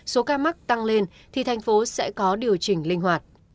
số ca mắc tăng lên thì thành phố sẽ có điều chỉnh linh hoạt